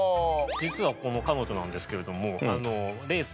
実はこの彼女なんですけれども。